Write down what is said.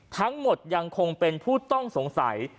ทั้งหมดยังคงเป็นผู้ต้องสงสัย